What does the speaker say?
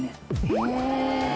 へえ。